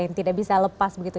yang tidak bisa lepas begitu